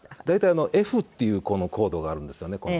大体Ｆっていうコードがあるんですよね